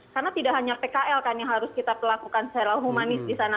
karena tidak hanya pkl kan yang harus kita lakukan secara humanis disana